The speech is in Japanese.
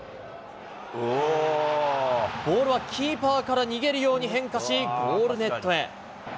ボールはキーパーから逃げるように変化し、ゴールネットへ。